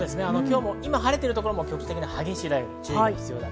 今、晴れているところも局的な激しい雷雨に注意が必要です。